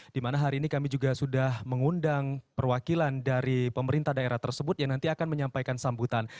di mana hari ini kami juga sudah mengundang perwakilan dari pemerintah daerah tersebut yang nanti akan menyampaikan sambutan